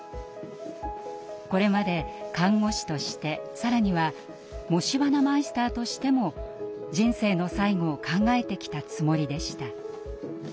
これまで看護師として更には“もしバナ”マイスターとしても人生の最期を考えてきたつもりでした。